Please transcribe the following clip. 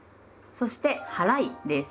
そして「はらい」です。